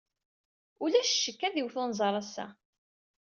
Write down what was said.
Ulac ccekk ad iwet unẓar ass-a.